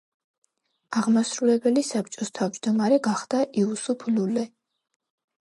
აღმასრულებელი საბჭოს თავმჯდომარე გახდა იუსუფ ლულე.